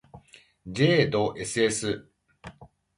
ｊ ど ｓｓ